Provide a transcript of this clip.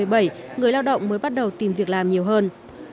để những người lao động mới bắt đầu tìm việc làm nhiều hơn